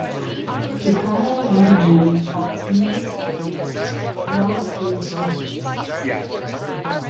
He currently owns a gym called Teammates Fitness in Wellesley, Massachusetts.